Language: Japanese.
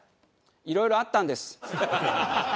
いろいろあったんです。